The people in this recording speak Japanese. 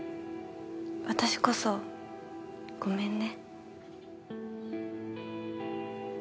私こそごめんね。